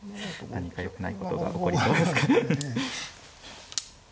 何かよくないことが起こりそうですか。